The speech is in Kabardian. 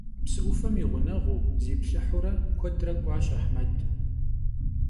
Psı 'ufem yi ğuneğuu, ziplhıhuure, kuedre k'uaş Ahmed.